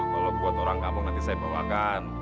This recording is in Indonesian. kalau buat orang kampung nanti saya bawakan